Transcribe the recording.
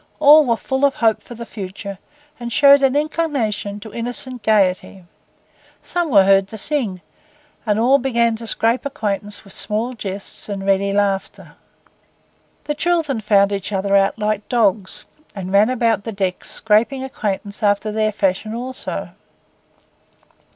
All were full of hope for the future, and showed an inclination to innocent gaiety. Some were heard to sing, and all began to scrape acquaintance with small jests and ready laughter. The children found each other out like dogs, and ran about the decks scraping acquaintance after their fashion also.